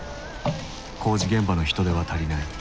工事現場の人手は足りない。